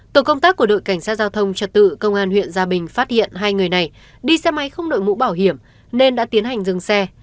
tổ công tác của đội cảnh sát giao thông trật tự công an huyện gia bình phát hiện hai người này đi xe máy không đội mũ bảo hiểm nên đã tiến hành dừng xe